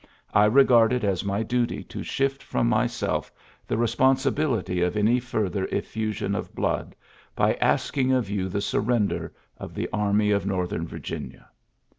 I regard it as my dnty to shift from myself the responsibility of any farther effusion of blood by asking of you the surrender of the army of Northern Virginia.